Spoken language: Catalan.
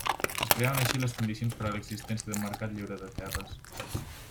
Es creaven així les condicions per a l'existència d'un mercat lliure de terres.